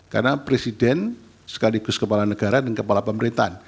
karena presiden sekaligus kepala negara dan kepala pemerintahan